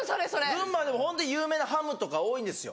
群馬でもホント有名なハムとか多いんですよ。